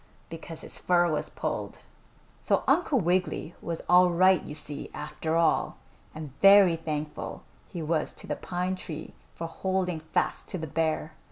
because his fur was pulled. So Uncle Wiggily was all right, you see, after all, and very thankful he was to the pine tree for holding fast to the bear.